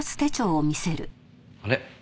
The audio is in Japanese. あれ？